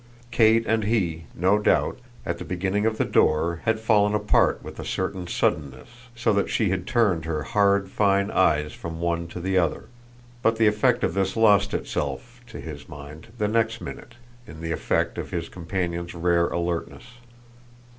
Kate and he, no doubt, at the opening of the door, had fallen apart with a certain suddenness, so that she had turned her hard fine eyes from one to the other; but the effect of this lost itself, to his mind, the next minute, in the effect of his companion's rare alertness.